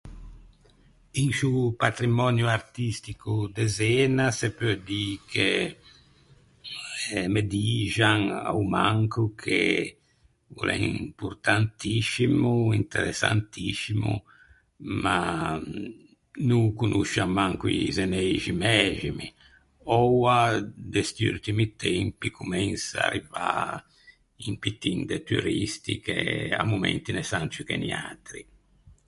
In sciô patrimònio artistico de Zena se peu dî che, eh me dixan a-o manco che o l’é importantiscimo, interessantiscimo, ma no ô conoscian manco i zeneixi mæximi. Oua de sti urtimi tempi comensa à arrivâ un pittin de turisti che à momenti ne san ciù che niatri.